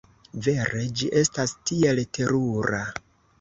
Vere. Ĝi estas tiel terura.